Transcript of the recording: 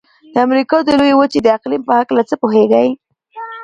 د امریکا د لویې وچې د اقلیم په هلکه څه پوهیږئ؟